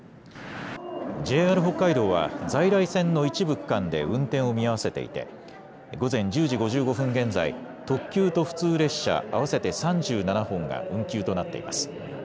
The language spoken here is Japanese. ＪＲ北海道は在来線の一部区間で運転を見合わせていて午前１０時５５分現在特急と普通列車合わせて３７本が運休となっています。